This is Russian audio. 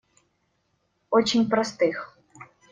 Очень простых.